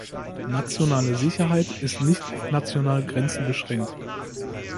Nationale Sicherheit ist nicht auf nationale Grenzen beschränkt.